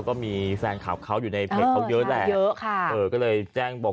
ก็มีแฟนคลับเขาอยู่ในเพจเขาเยอะแหละเยอะค่ะเออก็เลยแจ้งบอก